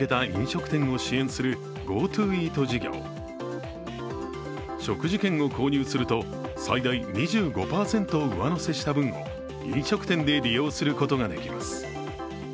食事券を購入すると最大２５％を上乗せした分を飲食店で利用することができます。